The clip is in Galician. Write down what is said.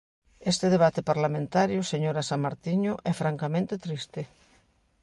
Este debate parlamentario, señora Samartiño, é francamente triste.